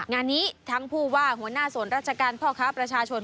งานนี้ทั้งผู้ว่าหัวหน้าส่วนราชการพ่อค้าประชาชน